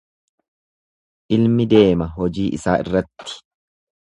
Ilmi deema hojii isaa irratti.